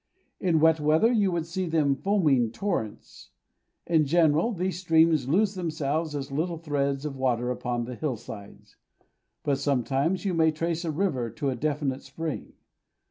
In wet weather you would see them foaming torrents. In general these streams lose themselves as little threads of water upon the hillsides; but sometimes you may trace a river to a definite spring.